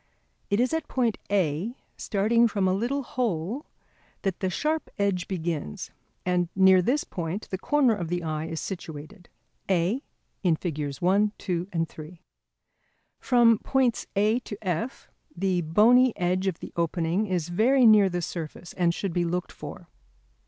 It is at point A, starting from a little hole, that the sharp edge begins; and near this point the corner of the eye is situated: A, Figs. 1, 2, 3. From points A to F the bony edge of the opening is very near the surface and should be looked for.